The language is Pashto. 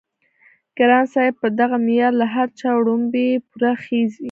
ګران صاحب په دغه معيار له هر چا وړومبی پوره خيژي